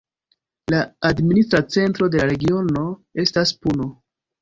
La administra centro de la regiono estas Puno.